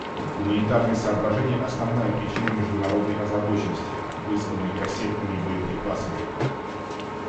Гуманитарные соображения — основная причина международной озабоченности, вызванной кассетными боеприпасами.